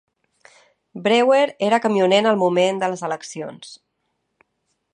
Brewer era camioner en el moment de les eleccions.